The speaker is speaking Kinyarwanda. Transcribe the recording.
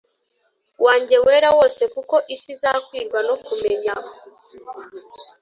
Wanjye Wera Wose Kuko Isi Izakwirwa No Kumenya